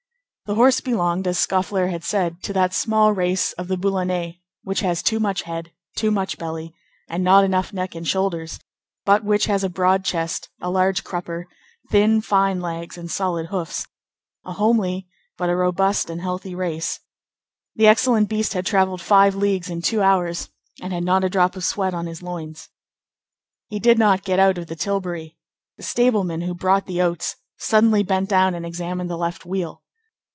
The horse belonged, as Scaufflaire had said, to that small race of the Boulonnais, which has too much head, too much belly, and not enough neck and shoulders, but which has a broad chest, a large crupper, thin, fine legs, and solid hoofs—a homely, but a robust and healthy race. The excellent beast had travelled five leagues in two hours, and had not a drop of sweat on his loins. He did not get out of the tilbury. The stableman who brought the oats suddenly bent down and examined the left wheel.